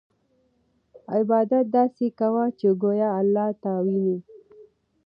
عبادت داسې کوه چې ګویا اللهﷻ تا ویني.